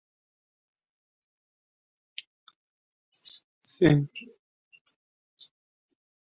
Daraxtlarda alami bor jamiyat